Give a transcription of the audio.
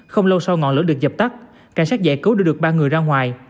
không lâu sau ngọn lửa được dập tắt cảnh sát giải cứu đưa được ba người ra ngoài